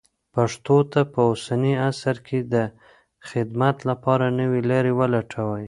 پښتو ته په اوسني عصر کې د خدمت لپاره نوې لارې ولټوئ.